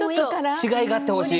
違いがあってほしい。